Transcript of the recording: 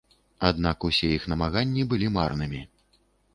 Аднак усе іх намаганні былі марнымі.